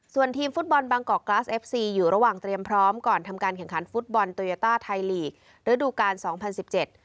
ส่วนทีมฟุตบอลบางกอกกลาสเอฟซีอยู่ระหว่างเตรียมพร้อมก่อนทำการแข่งขันฟุตบอลโตยาต้าไทยลีกระดูกาลสองพันสิบเจ็ด